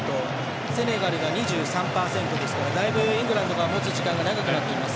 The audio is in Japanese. セネガルが２３％ですからだいぶイングランドが持つ時間が長くなっています。